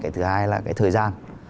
thứ hai là thời gian